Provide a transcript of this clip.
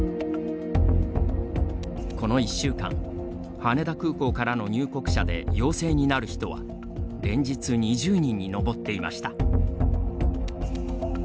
この１週間、羽田空港からの入国者で陽性になる人は連日２０人に上っていました。